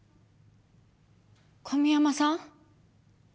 小宮山さん？